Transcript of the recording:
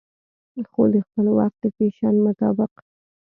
خو دخپل وخت د فېشن مطابق